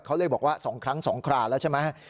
เขาเลยบอกว่า๒ครั้ง๒ครานแล้วใช่ไหม